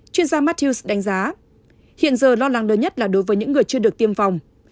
chuyên gia matthews đánh giá hiện giờ lo lắng lớn nhất là đối với những người chưa được tiêm phòng